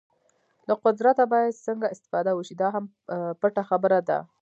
له قدرته باید څنګه استفاده وشي دا هم پټه خبره ده.